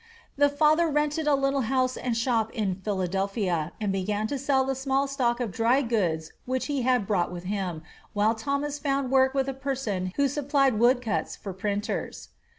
The father rented a little house and shop in Philadelphia, and began to sell the small stock of dry goods which he had brought with him, while Thomas found work with a person who supplied woodcuts for printers.